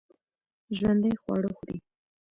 ژوندي خواړه خوري